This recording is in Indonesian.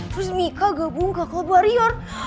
terus mika gabung ke klub warian